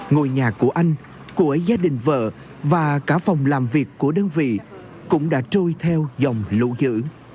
ngôi nhà của anh của gia đình vợ và cả phòng làm việc của đơn vị cũng đã trôi theo dòng lũ dữ